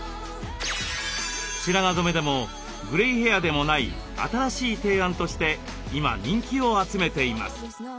白髪染めでもグレイヘアでもない新しい提案として今人気を集めています。